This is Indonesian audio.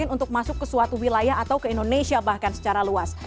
untuk masuk ke suatu wilayah atau ke indonesia bahkan secara luas